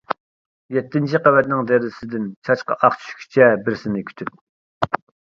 يەتتىنچى قەۋەتنىڭ دېرىزىسىدىن، چاچقا ئاق چۈشكىچە بىرسىنى كۈتۈپ.